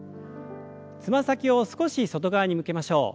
つま先を少し外側に向けましょう。